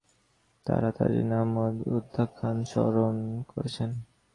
তাঁরা তাজউদ্দীন আহমদ উপাখ্যান স্মরণ করছেন।